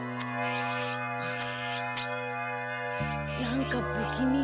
なんかぶきみ。